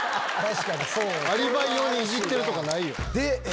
アリバイ用にイジってるとかないよ。